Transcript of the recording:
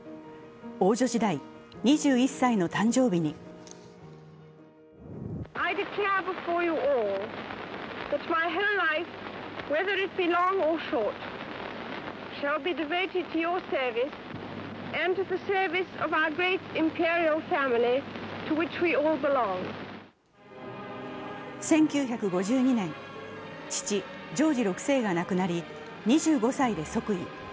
王女時代、２１歳の誕生日に１９５２年、父・ジョージ６世が亡くなり２５歳で即位。